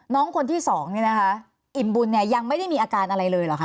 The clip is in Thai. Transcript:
น้องคนที่สองเนี่ยนะคะอิ่มบุญเนี่ยยังไม่ได้มีอาการอะไรเลยเหรอคะ